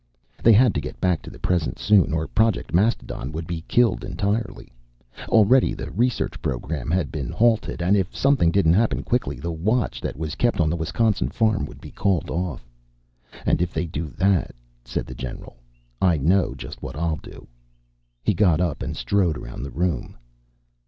They had to get back to the present soon or Project Mastodon would be killed entirely. Already the research program had been halted and if something didn't happen quickly, the watch that was kept on the Wisconsin farm would be called off. "And if they do that," said the general, "I know just what I'll do." He got up and strode around the room.